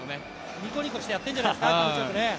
ニコニコしてやってるんじゃないですか、気持ちよくね。